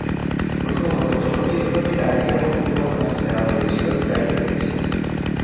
প্রথমত চলচ্চিত্রটির আয় যেমন পূর্বাভাস দেয়া হয়েছিল তাই হয়েছে।